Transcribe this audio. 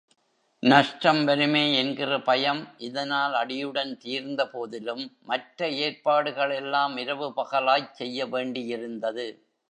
நஷ்டம் வருமே என்கிற பயம் இதனால் அடியுடன் தீர்ந்தபோதிலும், மற்ற ஏற்பாடுகளெல்லாம் இரவு பகலாகச் செய்ய வேண்டியிருந்தது.